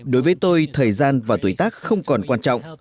đối với tôi thời gian và tuổi tác không còn quan trọng